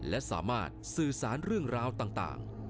และสามารถสื่อสารเรื่องราวต่าง